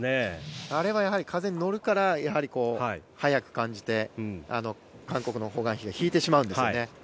あれはやはり風に乗るから速く感じて韓国のホ・グァンヒが引いてしまうんですよね。